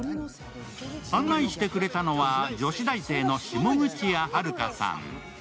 案内してくれたのは女子大生の下口谷はる珂さん。